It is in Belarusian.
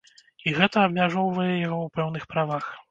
І гэта абмяжоўвае яго ў пэўных правах.